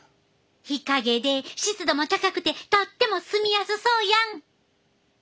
日陰で湿度も高くてとっても住みやすそうやん。